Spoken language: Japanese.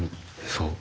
そう。